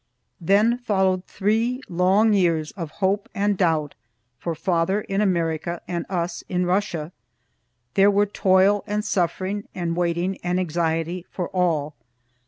Then followed three long years of hope and doubt for father in America and us in Russia. There were toil and suffering and waiting and anxiety for all.